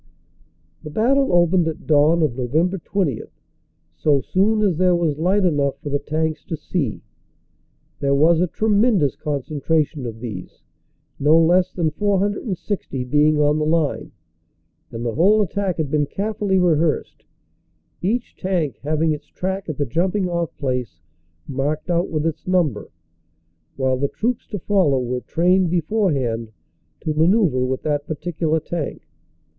The battle opened at dawn of Nov. 20, so soon as there was light enough for the tanks to see. There was a tremendous concentration of these, no less than 460 being on the line, and the whole attack had been carefully 198 CANADA S HUNDRED DAYS rehearsed, each tank having its track at the jumping off place marked out with its number; while the troops to follow were trained beforehand to manoeuvre with that particular tank.